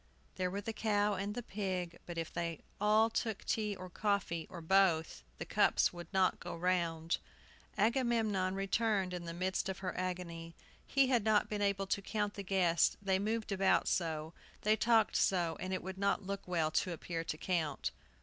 There were the cow and the pig. But if they all took tea or coffee, or both, the cups could not go round. Agamemnon returned in the midst of her agony. He had not been able to count the guests, they moved about so, they talked so; and it would not look well to appear to count.